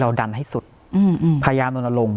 ดันให้สุดพยายามลนลง